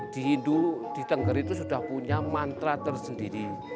di hindu di tengger itu sudah punya mantra tersendiri